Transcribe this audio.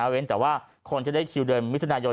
เว้นแต่ว่าคนที่ได้คิวเดือนมิถุนายน